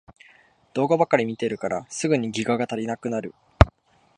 動画ばかり見てるからすぐにギガが足りなくなる